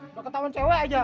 udah ketahuan cewek aja